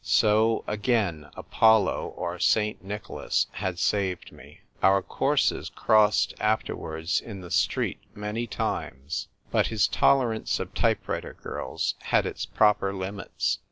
So again Apollo or St. Nicholas had saved me. Our courses crossed afterwards in the street many times. But his tolerance of type writer girls had its proper limits.